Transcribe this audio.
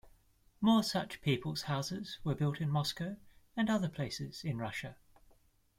More such People's Houses were built in Moscow and other places in Russia.